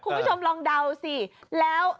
คุณผู้ชมลองเดาสิแล้ว